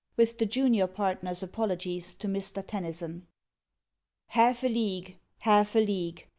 With the Junior Partner's Apologies to Mr. Tennyson. Half a league, half a league.